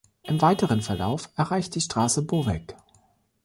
Im weiteren Verlauf erreicht die Straße Bovec.